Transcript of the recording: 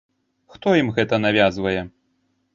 Хто ім гэта навязвае?